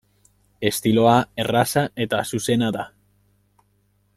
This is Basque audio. Estiloa erraza eta zuzena da.